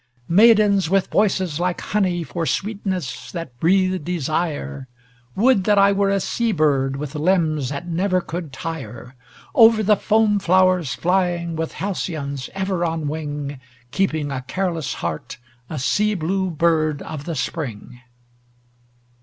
"Maidens with voices like honey for sweetness that breathe desire, Would that I were a sea bird with limbs that never could tire, Over the foam flowers flying with halcyons ever on wing, Keeping a careless heart, a sea blue bird of the spring."